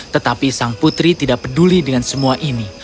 tetapi sang putri tidak peduli dengan semua ini